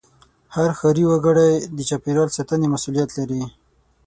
هر ښاري وګړی د چاپېریال ساتنې مسوولیت لري.